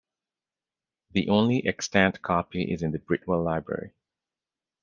The only extant copy is in the Britwell library.